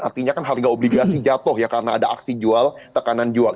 artinya kan harga obligasi jatuh ya karena ada aksi jual tekanan jual